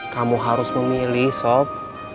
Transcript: kamu harus memilih sob